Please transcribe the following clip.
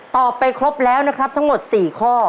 ไปครบแล้วนะครับทั้งหมด๔ข้อ